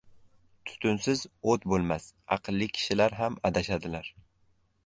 • Tutunsiz o‘t bo‘lmas, aqlli kishilar ham adashadilar.